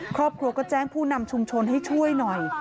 ครอบครัวก็แจ้งผู้นำชุมชนให้ช่วยหน่อย